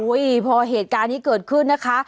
พอเหตุการณ์นี้เกิดขึ้นนะคะ